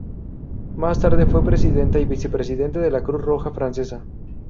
Más tarde fue presidente y vicepresidente de la Cruz Roja Francesa.